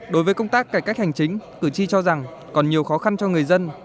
đối với công tác cải cách hành chính cử tri cho rằng còn nhiều khó khăn cho người dân